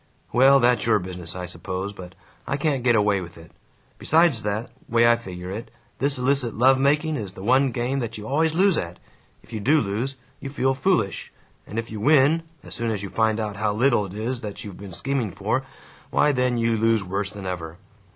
"Well, that's your business, I suppose. But I can't get away with it. Besides that way I figure it, this illicit love making is the one game that you always lose at. If you do lose, you feel foolish; and if you win, as soon as you find out how little it is that you've been scheming for, why then you lose worse than ever.